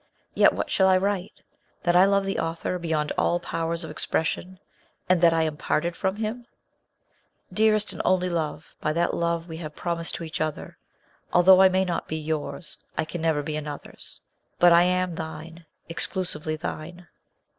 Yet what shall I write that I love the author beyond all powers of expression, and that I am parted from him ? Dearest and only love, by that love we have promised to each other, although I may not be yours I can never be another's. But I am thine, exclusively thine."